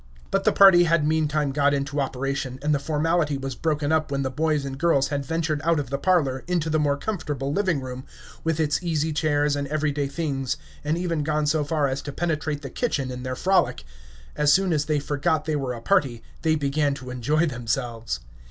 But the party had meantime got into operation, and the formality was broken up when the boys and girls had ventured out of the parlor into the more comfortable living room, with its easy chairs and everyday things, and even gone so far as to penetrate the kitchen in their frolic. As soon as they forgot they were a party, they began to enjoy themselves.